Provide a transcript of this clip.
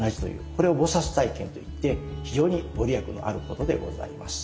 これを「菩体験」と言って非常にご利益のあることでございます。